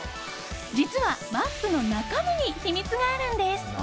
実はバッグの中身に秘密があるんです。